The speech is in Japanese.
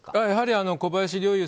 やはり小林陵